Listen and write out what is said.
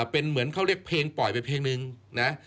เป็นเหมือนเขาเรียกเพลงปล่อยไปเพลงนึงนะ